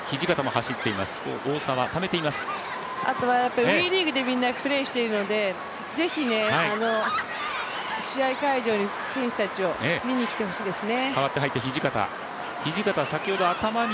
あとはＷＥリーグでみんなプレーしていますので、ぜひ試合会場に選手たちを見に来てほしいですね。